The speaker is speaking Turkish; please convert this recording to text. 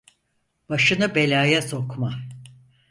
Başını belaya sokma.